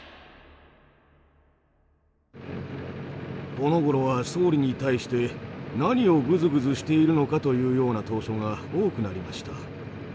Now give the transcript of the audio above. このごろは総理に対して何をグズグズしているのかというような投書が多くなりました。